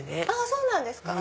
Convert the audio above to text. そうなんですか。